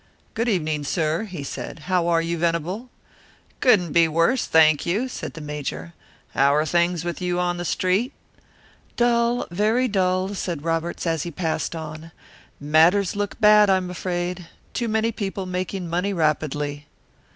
"Good evening, sir," he said. "How are you, Venable?" "Couldn't be worse, thank you," said the Major. "How are things with you on the Street?" "Dull, very dull," said Roberts, as he passed on. "Matters look bad, I'm afraid. Too many people making money rapidly."